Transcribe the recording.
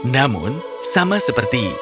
namun sama seperti